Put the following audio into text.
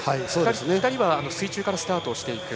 ２人は水中からスタートしていく。